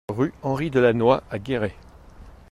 Rue Henry Delannoy à Guéret